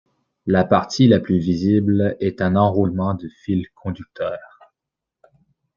La partie la plus visible est un enroulement de fils conducteurs.